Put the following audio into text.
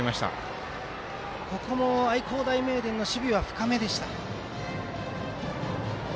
ここも愛工大名電の守備は深めでした。